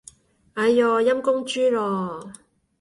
哎唷，陰公豬咯